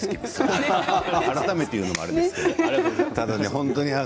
改めて言うのもなんですけど。